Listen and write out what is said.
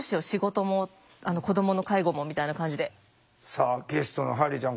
さあゲストのハリーちゃん